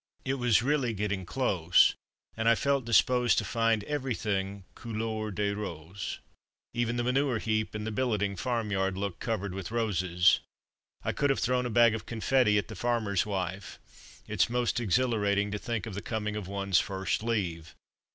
It was really getting close and I felt disposed to find everything couleur de rose. Even the manure heap in the billeting farm yard looked covered with roses. I could have thrown a bag of confetti at the farmer's wife it's most exhilarating to think of the coming of one's first leave.